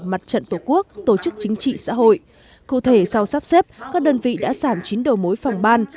mặt trận tổ quốc tổ chức chính trị xã hội cụ thể sau sắp xếp các đơn vị đã giảm chín đầu mối phòng ban